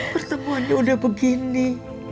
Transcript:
pertemuannya udah begini